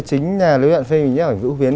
chính lưu đoạn phim của anh vũ huyến